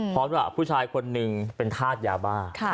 เพราะว่าผู้ชายคนหนึ่งเป็นธาตุยาบ้า